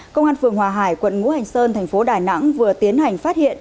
công an phường hòa hải quận ngũ hành sơn thành phố đà nẵng vừa tiến hành phát hiện